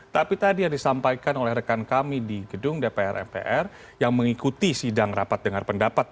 tapi tadi yang disampaikan oleh rekan kami di gedung dpr mpr yang mengikuti sidang rapat dengar pendapat